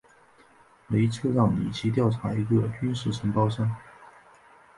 雷彻让里奇调查一个军事承包商。